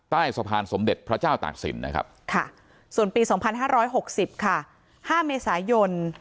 ใต้สะพานสมเด็จพระเจ้าตากศิลป์นะครับส่วนปี๒๕๖๐ค่ะ๕เมษายน